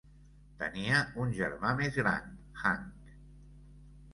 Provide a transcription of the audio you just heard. Tenia un germà més gran: Hank.